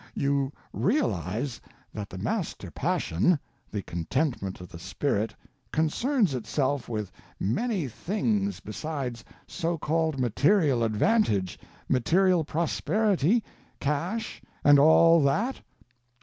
You _realize _that the Master Passion—the contentment of the spirit—concerns itself with many things besides so called material advantage, material prosperity, cash, and all that?